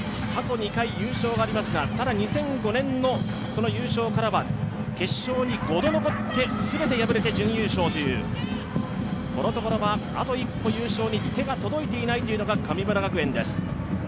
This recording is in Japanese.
過去２回優勝がありますが、２００５年の優勝からは決勝に５度残って全て敗れて準優勝というこのところはあと一歩優勝に手が届いていないというのが神村学園です。